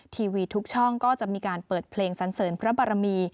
ทีวีทุกช่องก็จะมีการเปิดเพลงสันเสริญพระบารมี